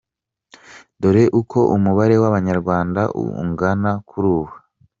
Dore uko umubare w’Abanyarwanda ungana kuri ubu.